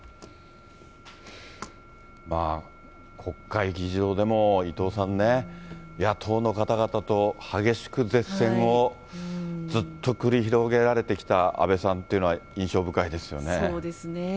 国会議事堂でも、伊藤さんね、野党の方々と激しく舌戦をずっと繰り広げられてきた安倍さんってそうですね。